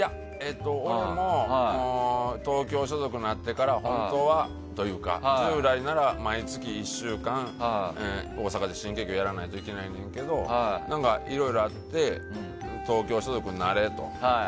俺も東京所属になってから本当はというか従来なら毎月１週間大阪で新喜劇をやらないといけないけどいろいろあって東京所属になれと。